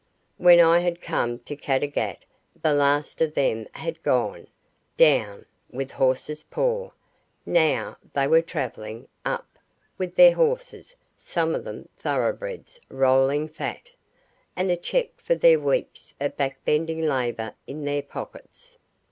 When I had come to Caddagat the last of them had gone "down" with horses poor; now they were travelling "up" with their horses some of them thoroughbreds rolling fat, and a cheque for their weeks of back bending labour in their pockets.